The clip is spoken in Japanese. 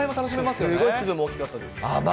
すごい粒も大きかったです。